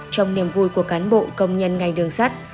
trong niềm vui của cán bộ công nhân ngành đường sắt